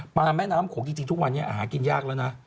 แม่น้ำโขงจริงทุกวันนี้หากินยากแล้วนะ